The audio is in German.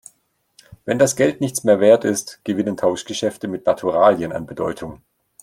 Wenn das Geld nichts mehr Wert ist, gewinnen Tauschgeschäfte mit Naturalien an Bedeutung.